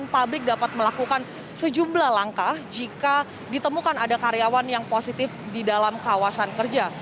publik dapat melakukan sejumlah langkah jika ditemukan ada karyawan yang positif di dalam kawasan kerja